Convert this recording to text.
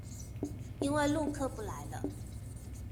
因為陸客不來了